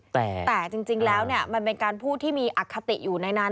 แต่จริงแล้วเนี่ยมันเป็นการพูดที่มีอคติอยู่ในนั้น